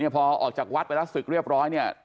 พอออกจากวัดไปแล้วศึกเรียบร้อยเนี่ย